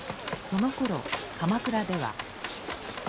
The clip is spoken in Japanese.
そのころ鎌倉では。